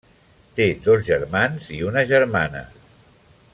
Té dos germans i una germana.